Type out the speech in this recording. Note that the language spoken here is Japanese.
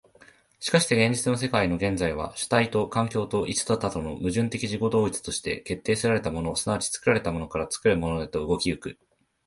しかして現実の世界の現在は、主体と環境と、一と多との矛盾的自己同一として、決定せられたもの即ち作られたものから、作るものへと動き行く。